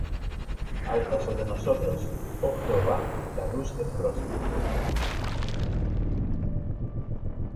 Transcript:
Alza sobre nosotros, oh Jehová, la luz de tu rostro.